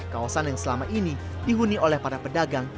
kawasan yang selama ini dihuni oleh para pedagang